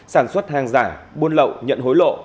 sản xuất hàng giả buôn lậu nhận hối lộ